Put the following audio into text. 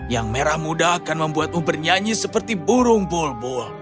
yang merah muda akan membuatmu bernyanyi seperti burung bulbul